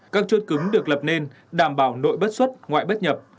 các chốt cứng được lập nên đảm bảo nội bất xuất ngoại bất nhập